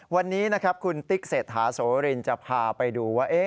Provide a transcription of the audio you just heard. วันนี้คุณติ๊กเสร็จหาโสฬิลจะพาไปดูว่า